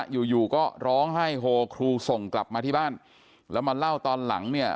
อยู่อยู่ก็ร้องไห้โฮครูส่งกลับมาที่บ้านแล้วมาเล่าตอนหลังเนี่ย